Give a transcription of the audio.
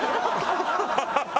ハハハハ！